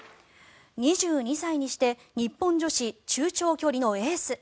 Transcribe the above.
２２歳にして日本女子中長距離のエース。